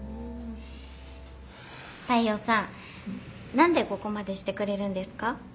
大陽さん何でここまでしてくれるんですか？